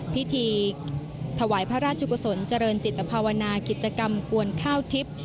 พิธีถวายพระราชกุศลเจริญจิตภาวนากิจกรรมกวนข้าวทิพย์